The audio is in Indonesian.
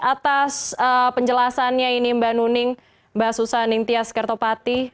atas penjelasannya ini mbak nuning mbak susaning tias kertopati